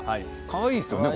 かわいいですよね